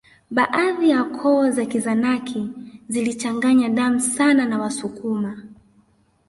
Baadhi ya koo za Kizanaki zilichanganya damu sana na Wasukuma